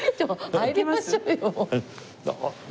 入りましょうよもう。